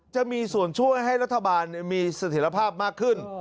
จะมีส่วนช่วยให้รัฐบาลมีเสถียรภาพมากขึ้น